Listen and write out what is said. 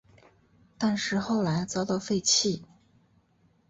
但是后来遭到废弃。